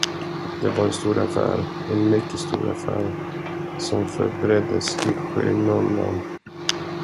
Det var en stor affär, en mycket stor affär, som förbereddes i skymundan.